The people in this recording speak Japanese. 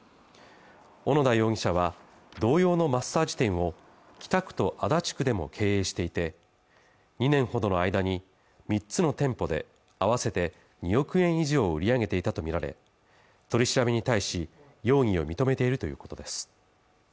小野田容疑者は同様のマッサージ店を北区と足立区でも経営していて２年ほどの間に３つの店舗で合わせて２億円以上を売り上げていたと見られ取り調べに対し容疑を認めているということです